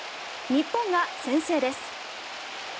日本が先制です。